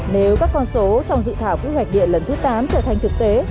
nếu các con số trong dự thảo phước hạch điện lần thứ tám trở thành thực tế